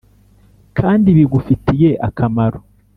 kandi bigufitiye akamaro;